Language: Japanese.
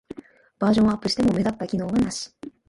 バージョンアップしても目立った機能はなし